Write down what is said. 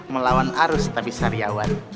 melawan arus tapi sariawan